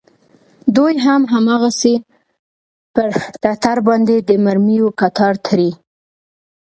دوى هم هماغسې پر ټټر باندې د مرميو کتار تړي.